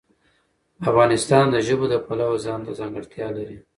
افغانستان د ژبو د پلوه ځانته ځانګړتیا لري.